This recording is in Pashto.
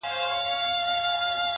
د عمل دوام د استعداد نه مهم دی!